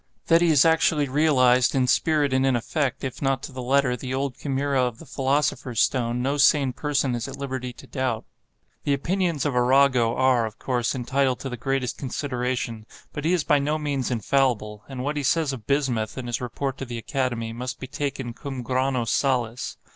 That he has actually realized, in spirit and in effect, if not to the letter, the old chimaera of the philosopher's stone, no sane person is at liberty to doubt. The opinions of Arago are, of course, entitled to the greatest consideration; but he is by no means infallible; and what he says of bismuth, in his report to the Academy, must be taken cum grano salis.